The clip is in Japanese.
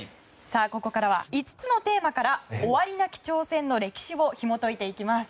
ここからは５つのテーマから終わりなき挑戦の歴史をひも解いていきます。